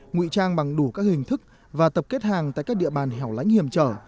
ngụy trang bằng đủ các hình thức và tập kết hàng tại các địa bàn hẻo lánh hiểm trở